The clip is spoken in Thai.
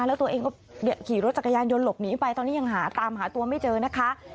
แล้วตัวเองก็ขี่รถจักรยานยนต์หลบหนีไปตอนนี้ยังหาตามหาตัวไม่เจอนะคะ